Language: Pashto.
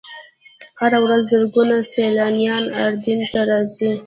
هره ورځ زرګونه سیلانیان اردن ته راځي.